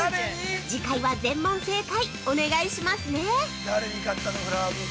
次回は全問正解お願いしますね！